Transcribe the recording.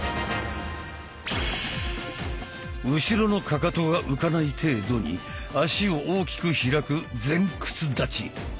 後ろのかかとが浮かない程度に足を大きく開く「前屈立ち」。